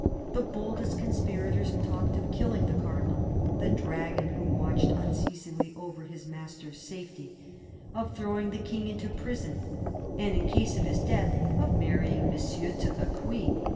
The boldest conspirators talked of killing the Cardinal, " the dragon who watched unceasingly over his master's safety "; of throwing the King into prison, and in case of his death of marrying Monsieur to the Queen.